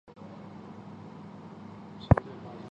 江苏天目湖国家森林公园位于中国江苏省溧阳市南部。